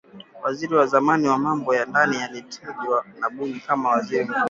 waziri wa zamani wa mambo ya ndani aliyetajwa na bunge kama waziri mkuu